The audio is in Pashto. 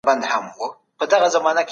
په رښتيا سره د بل مال اخيستل روا نه دي.